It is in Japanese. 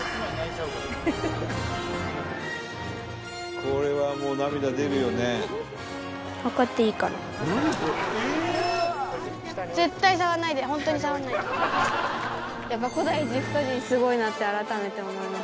これはもうやっぱ古代エジプト人すごいなって改めて思います。